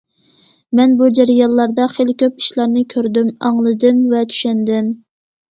مەن بۇ جەريانلاردا خېلى كۆپ ئىشلارنى كۆردۈم، ئاڭلىدىم ۋە چۈشەندىم.